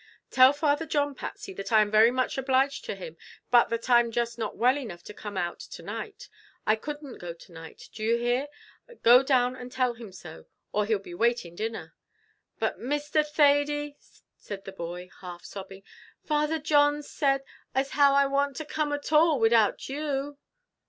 "Tell Father John, Patsy, that I am very much obliged to him, but that I'm not just well enough to come out to night. I couldn't go to night, do you hear; go down and tell him so, or he'll be waiting dinner." "But, Mr. Thady," said the boy, half sobbing, "Father John said as how I warn't to come at all widout you."